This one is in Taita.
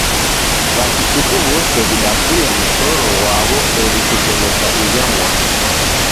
W'akichuku w'ose w'idafunya msoro ghwaw'o eri kushomesha uja mwana.